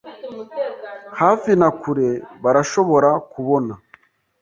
Hafi na kure barashobora kubona